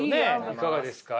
いかがですか？